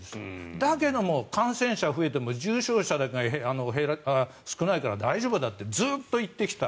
だけども感染者が増えても重症者が少ないから大丈夫だってずっと言ってきた。